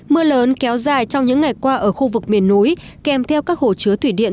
mưa lớn kéo dài trong những ngày qua ở khu vực miền núi kèm theo các hồ chứa thủy điện